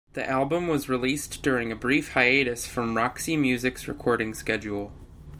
The album was released during a brief hiatus from Roxy Music's recording schedule.